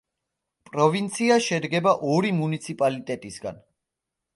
პროვინცია შედგება ორი მუნიციპალიტეტისაგან.